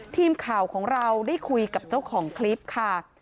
ทีมข่าวของเราได้คุยกับเจ้าของคลิปค่ะ